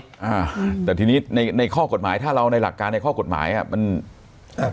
อ่าแต่ทีนี้ในในข้อกฎหมายถ้าเราในหลักการในข้อกฎหมายอ่ะมันอ่า